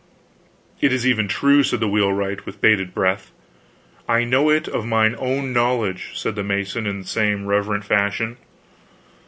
"It is even true," said the wheelwright, with bated breath. "I know it of mine own knowledge," said the mason, in the same reverent fashion.